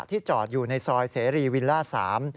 จอดอยู่ในซอยเสรีวิลล่า๓